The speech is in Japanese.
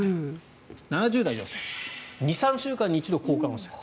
７０代女性２３週間に一度交換する。